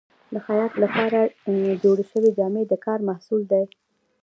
د خیاط لپاره جوړې شوې جامې د کار محصول دي.